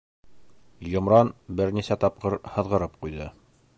Йомран бер нисә тапҡыр һыҙғырып ҡуйҙы.